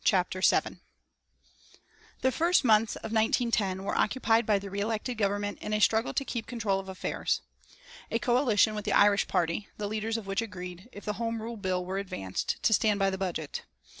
CHAPTER VII The first months of 1910 were occupied by the re elected Government in a struggle to keep control of affairs. A coalition with the Irish party, the leaders of which agreed, if the Home Rule bill were advanced, to stand by the budget.